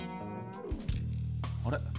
あれ？